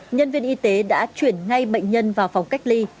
nhân viên y tế đã chuyển ngay bệnh nhân vào phòng cách ly